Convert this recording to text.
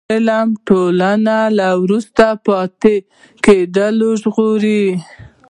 علم ټولنه له وروسته پاتې کېدو ژغوري.